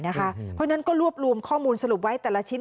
เพราะฉะนั้นก็รวบรวมข้อมูลสรุปไว้แต่ละชิ้น